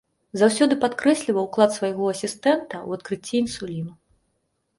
Заўсёды падкрэсліваў ўклад свайго асістэнта ў адкрыцці інсуліну.